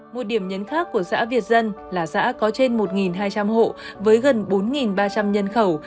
một điểm nhấn khác của xã việt dân là xã có trên một hai trăm linh hộ với gần bốn ba trăm linh nhân khẩu